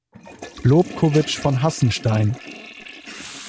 Lobkowicz von Hassenstein.